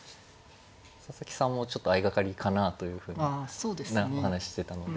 佐々木さんもちょっと相掛かりかなというふうなお話ししてたので。